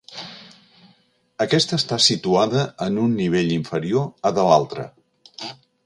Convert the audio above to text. Aquesta està situada en un nivell inferior a de l'altra.